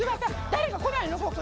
誰か来ないの？